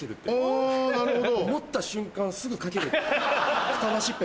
あなるほど。